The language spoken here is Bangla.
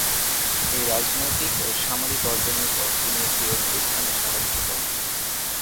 এই রাজনৈতিক ও সামরিক অর্জনের পর তিনি একটি অভ্যুত্থানে সাহায্য করেন।